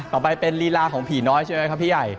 ต่อไปเป็นลีลาของผีน้อยใช่ไหมครับพี่ใหญ่